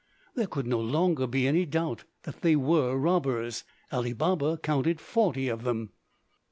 There could no longer be any doubt that they were robbers. Ali Baba counted forty of them.